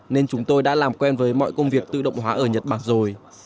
nên chúng tôi đã làm quen với mọi công việc tự động hóa ở nhật bản rồi